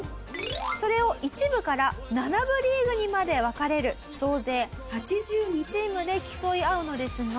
それを１部から７部リーグにまで分かれる総勢８２チームで競い合うのですが。